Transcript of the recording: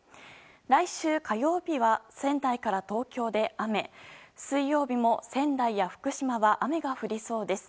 来週火曜日は、仙台から東京で雨水曜日も、仙台や福島は雨が降りそうです。